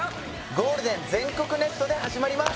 ゴールデン全国ネットで始まります！